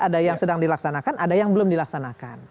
ada yang sedang dilaksanakan ada yang belum dilaksanakan